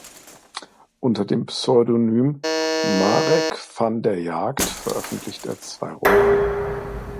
Unter dem Pseudonym "Marek van der Jagt" veröffentlichte er zwei Romane.